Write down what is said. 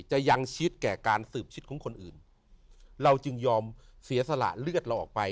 ยังชิดแก่การสืบชิดของคนอื่นเราจึงยอมเสียสละเลือดเราออกไป